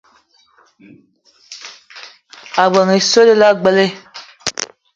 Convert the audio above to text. Ebeng essoe dila ogbela